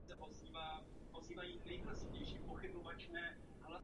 Ovšem, kabelujte jim.